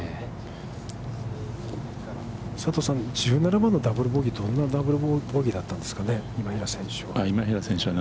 佐藤さん、１７番のダブル・ボギー、どんなダブル・ボギーだったんですかね、今平選手は。